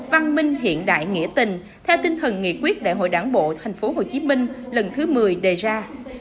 văn minh hiện đại nghĩa tình theo tinh thần nghị quyết đại hội đảng bộ tp hcm lần thứ một mươi đề ra